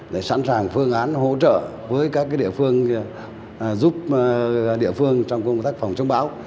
để sẵn sàng phương án hỗ trợ với các địa phương giúp địa phương trong công tác phòng chống bão